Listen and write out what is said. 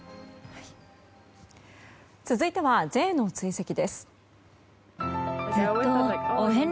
続いてはＪの追跡です。